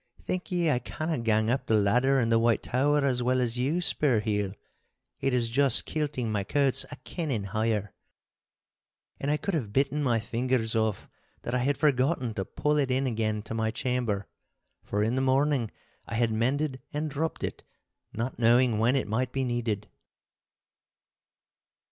'Think ye I canna gang up the ladder in the White Tower as well as you, Spurheel. It is just kilting my coats a kennin' higher!' And I could have bitten my fingers off that I had forgotten to pull it in again to my chamber. For in the morning I had mended and dropped it, not knowing when it might be needed.